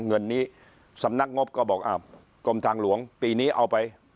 เงินนี้สำนักงบก็บอกอ้าวกรมทางหลวงปีนี้เอาไป